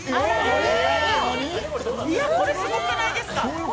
いや、これすごくないですか？